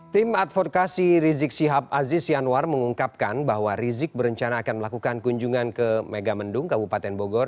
tim advokasi rizik sihab aziz yanwar mengungkapkan bahwa rizik berencana akan melakukan kunjungan ke megamendung kabupaten bogor